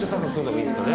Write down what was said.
いいですね。